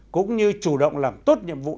cũng như chủ động làm tốt nhiệm vụ